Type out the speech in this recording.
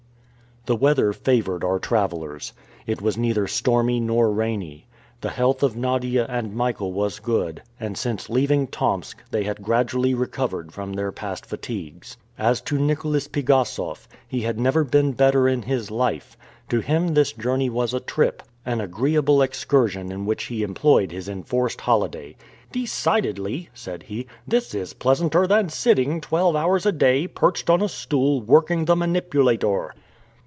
The weather favored our travelers. It was neither stormy nor rainy. The health of Nadia and Michael was good, and since leaving Tomsk they had gradually recovered from their past fatigues. As to Nicholas Pigassof, he had never been better in his life. To him this journey was a trip, an agreeable excursion in which he employed his enforced holiday. "Decidedly," said he, "this is pleasanter than sitting twelve hours a day, perched on a stool, working the manipulator!"